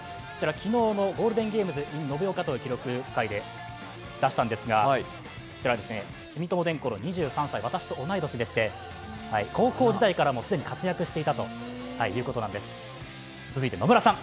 昨日のゴールデンゲームズの大会で記録を出したんですが住友電工の２３歳、私と同い年で、高校時代から既に活躍していたということなんです。